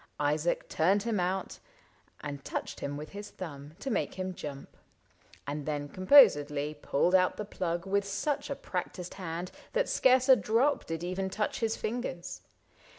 Isaac turned him out, And touched him with his thumb to make him jump. And then composedly pulled out the plug With such a practiced hand that scarce a drop Did even touch his fingers.